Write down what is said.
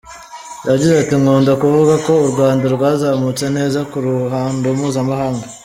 Yagize ati “Nkunda kuvuga ko u Rwanda rwazamutse neza ku ruhando mpuzamahanga.